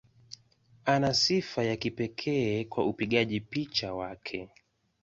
Ana sifa ya kipekee kwa upigaji picha wake.